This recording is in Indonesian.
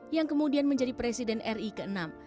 yang kemudian menjadi presiden ri ke enam